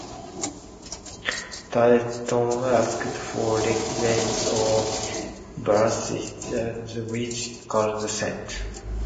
Tarleton asked for reinforcements of British regulars, which Cornwallis sent.